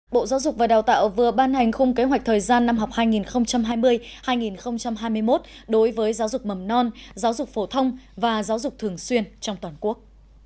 bộ giáo dục và đào tạo vừa ban hành khung kế hoạch thời gian năm học hai nghìn hai mươi hai nghìn hai mươi một đối với giáo dục mầm non giáo dục phổ thông và giáo dục thường xuyên trong toàn quốc